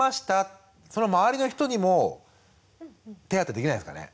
その周りの人にも手当できないんですかね？